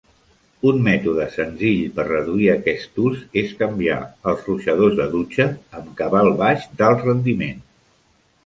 Un mètode senzill per reduir aquest ús és canviar als ruixadors de dutxa amb cabal baix d'alt rendiment.